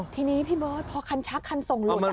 ทีนี้พี่เบิร์ตพอคันชักคันส่งหลุด